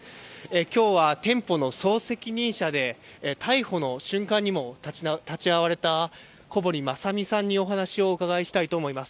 きょうは店舗の総責任者で、逮捕の瞬間にも立ち会われた、小堀まさみさんにお話をお伺いしたいと思います。